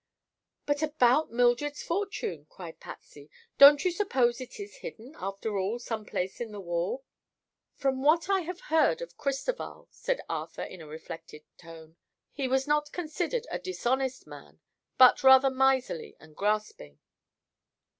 "But about Mildred's fortune," cried Patsy. "Don't you suppose it is hidden, after all, some place in the wall?" "From what I have heard of Cristoval," said Arthur in a reflective tone, "he was not considered a dishonest man, but rather miserly and grasping."